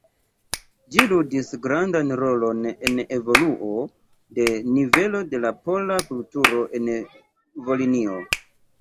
Ĝi ludis grandan rolon en evoluo de nivelo de la pola kulturo en Volinio.